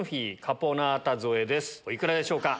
お幾らでしょうか？